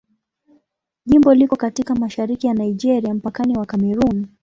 Jimbo liko katika mashariki ya Nigeria, mpakani wa Kamerun.